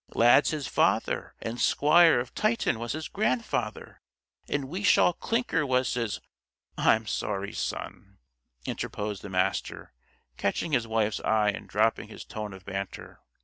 Lad's his father, and Squire of Tytton was his grandfather, and Wishaw Clinker was his " "I'm sorry, son," interposed the Master, catching his wife's eye and dropping his tone of banter.